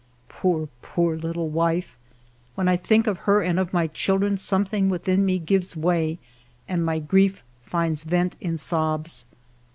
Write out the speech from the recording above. Poor, poor little wife ! When I think of her and of my chil dren, something within me gives way and my grief finds vent in sobs.